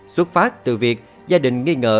xuất phát từ việc gia đình nghi ngờ